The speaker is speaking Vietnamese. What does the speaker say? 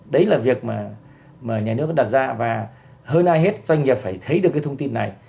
đấy là việc mà nhà nước vẫn đặt ra và hơn ai hết doanh nghiệp phải thấy được cái thông tin này